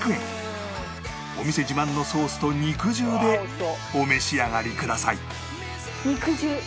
お店自慢のソースと肉汁でお召し上がりください